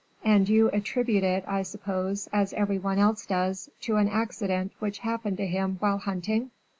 "And you attribute it, I suppose, as every one else does, to an accident which happened to him while hunting?"